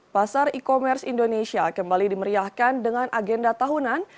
pasar e commerce indonesia kembali dimeriahkan dengan agenda tahunan